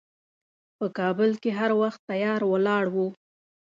په کابل کې هر وخت تیار ولاړ و.